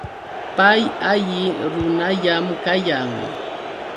Pay alli runallam kayan.